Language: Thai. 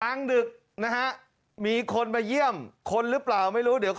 ครั้งนึกนะฮะมีคนมาเยี่ยมอีกคนคนหรือเปล่าเดี๋ยวค่อยดูแล้วกัน